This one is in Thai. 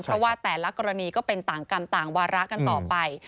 เพราะว่าแต่ละกรณีก็เป็นต่างกรรมต่างวาระกันต่อไป